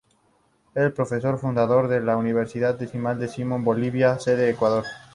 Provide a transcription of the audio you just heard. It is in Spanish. Es profesor fundador de la Universidad Andina Simón Bolívar, sede Ecuador.